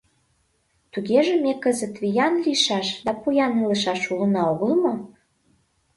Тугеже ме кызыт виян лийшаш да поян илышаш улына огыл мо?